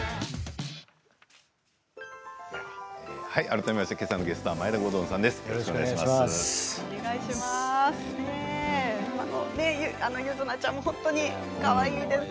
改めましてけさのゲストは眞栄田郷敦さんです。